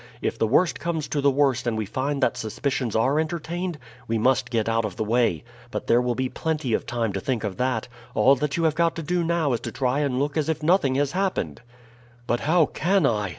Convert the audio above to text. If the worst comes to the worst and we find that suspicions are entertained, we must get out of the way. But there will be plenty of time to think of that; all that you have got to do now is to try and look as if nothing had happened." "But how can I?"